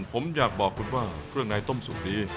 ผมอยากบอกคุณว่าเครื่องในต้มสุกนี้